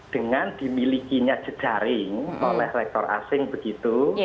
dengan dimilikinya jejaring oleh rektor asing begitu